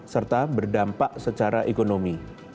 serta berdampak secara ekonomi